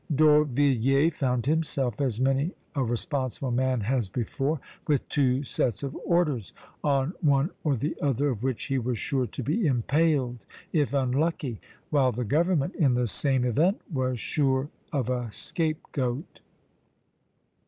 D'Orvilliers found himself, as many a responsible man has before, with two sets of orders, on one or the other of which he was sure to be impaled, if unlucky; while the government, in the same event, was sure of a scape goat.